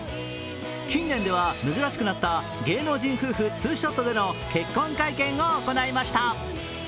近年では珍しくなった芸能人夫婦ツーショットでの結婚会見を行いました。